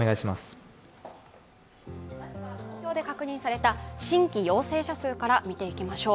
東京で確認された新規陽性確認者数から見ていきましょう。